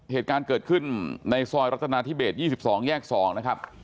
เหตุการณ์เกิดขึ้นในซอยรัฐนาธิเบส๒๒แยก๒นะครับ